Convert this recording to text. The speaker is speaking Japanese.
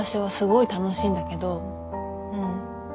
うん。